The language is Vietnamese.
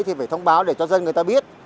thì phải thông báo để cho dân người ta biết